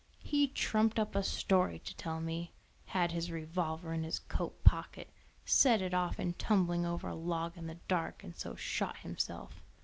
"He trumped up a story to tell me had his revolver in his coat pocket, set it off in tumbling over a log in the dark, and so shot himself.